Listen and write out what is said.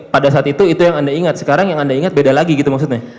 pada saat itu itu yang anda ingat sekarang yang anda ingat beda lagi gitu maksudnya